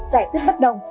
giải thích bất đồng